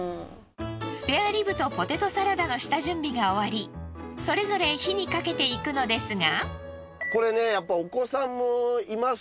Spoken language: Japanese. スペアリブとポテトサラダの下準備が終わりそれぞれ火にかけていくのですが。